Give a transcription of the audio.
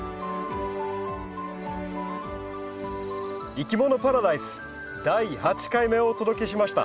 「いきものパラダイス」第８回目をお届けしました。